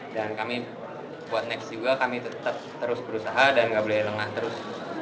dan kami buat next juga kami tetap terus berusaha dan gak boleh lengah terus